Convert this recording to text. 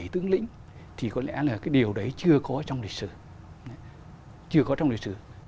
một mươi bảy tướng lĩnh thì có lẽ là cái điều đấy chưa có trong lịch sử chưa có trong lịch sử